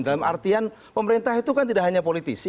dalam artian pemerintah itu kan tidak hanya politisi